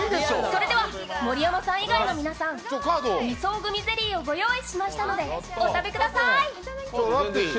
それでは盛山さん以外の皆さんゼリーをご用意しましたので召し上がってください。